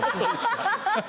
ハハハハ！